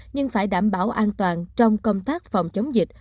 nhưng phải đảm bảo an toàn trong công tác phòng chống dịch